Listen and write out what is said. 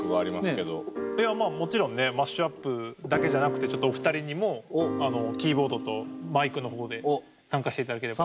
いやまあもちろんねマッシュアップだけじゃなくてちょっとお二人にもキーボードとマイクの方で参加していただければ。